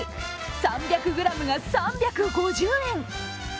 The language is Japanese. ３００ｇが３５０円。